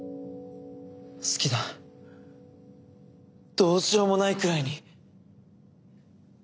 どうしようもないくらいに。